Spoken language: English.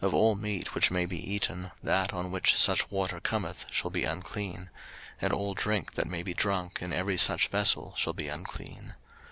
03:011:034 Of all meat which may be eaten, that on which such water cometh shall be unclean: and all drink that may be drunk in every such vessel shall be unclean.